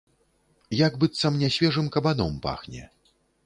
Як быццам нясвежым кабаном пахне.